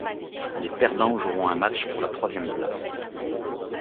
Les perdants joueront un match pour la troisième place.